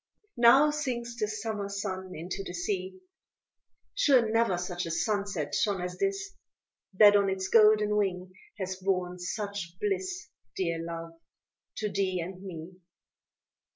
Now sinks the Summer sun into the sea; Sure never such a sunset shone as this, That on its golden wing has borne such bliss; Dear Love to thee and me.